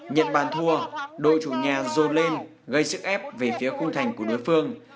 nhận bàn thua đội chủ nhà dồn lên gây sức ép về phía cung thành của đối phương